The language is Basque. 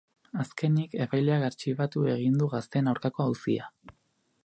Azkenik, epaileak artxibatu egin du gazteen aurkako auzia.